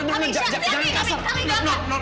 kamisya jangan kasar